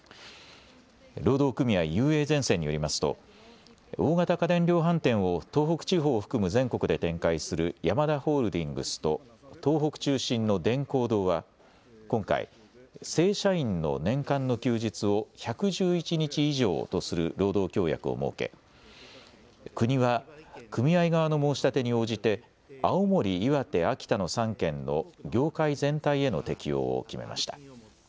労働組合ＵＡゼンセンによりますと大型家電量販店を東北地方を含む全国で展開するヤマダホールディングスと東北中心のデンコードーは今回、正社員の年間の休日を１１１日以上とする労働協約を設け国は組合側の申し立てに応じて青森、岩手、秋田の３県の業界全体への適用を決めました。